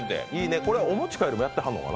これ、お持ち帰りもやってはるのかな。